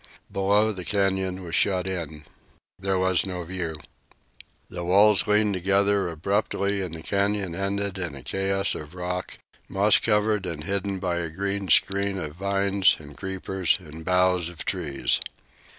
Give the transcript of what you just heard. Below, the canyon was shut in. There was no view. The walls leaned together abruptly and the canyon ended in a chaos of rocks, moss covered and hidden by a green screen of vines and creepers and boughs of trees.